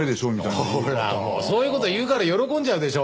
ほらそういう事言うから喜んじゃうでしょ。